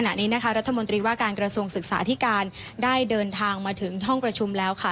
ขณะนี้นะคะรัฐมนตรีว่าการกระทรวงศึกษาที่การได้เดินทางมาถึงห้องประชุมแล้วค่ะ